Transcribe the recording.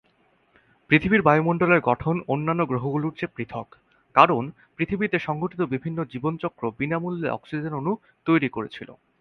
পৃথিবীর বায়ুমণ্ডলের গঠন অন্যান্য গ্রহগুলির চেয়ে পৃথক, কারণ পৃথিবীতে সংঘটিত বিভিন্ন জীবনচক্র বিনামূল্যে অক্সিজেন অণু তৈরি করেছিল।